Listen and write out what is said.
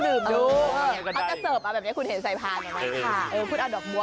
เราก็เสิร์ฟอ่ะแบบนี้คุณเห็นทางสายพานอยู่มั้ยค่ะ